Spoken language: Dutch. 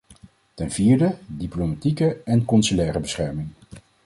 Ten vierde: diplomatieke en consulaire bescherming.